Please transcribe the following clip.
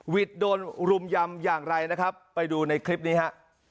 วิทย์โดนรุมยำอย่างไรนะครับไปดูในคลิปนี้ฮะ